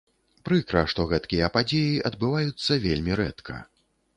Прыкра, што гэткія падзеі адбываюцца вельмі рэдка.